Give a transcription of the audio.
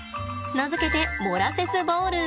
名付けてモラセスボール！